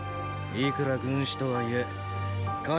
いくら軍師とはいえ河